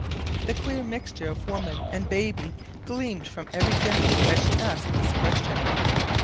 The queer mixture of woman and baby gleamed from every dimple as she asked this question.